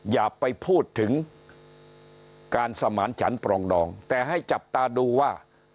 อย่าไปพูดถึงการสมานฉันปรองดองแต่ให้จับตาดูว่า